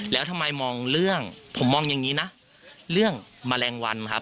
แล้วทำไมมองเรื่องผมมองอย่างนี้นะเรื่องแมลงวันครับ